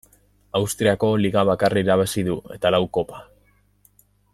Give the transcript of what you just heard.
Austriako liga bakarra irabazi du eta lau kopa.